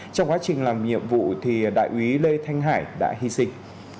trong quá trình làm nhiệm vụ đại úy lê thanh hải đã hy sinh